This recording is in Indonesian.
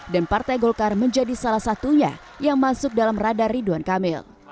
dan partai golkar menjadi salah satunya yang masuk dalam radar ridwan kamil